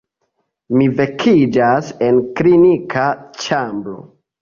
Mi vekiĝas en klinika ĉambro.